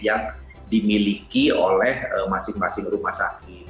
yang dimiliki oleh masing masing rumah sakit